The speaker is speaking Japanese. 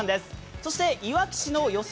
そしていわき市の予想